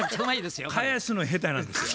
返すの下手なんですよ。